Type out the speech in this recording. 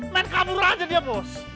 main kabur aja dia bos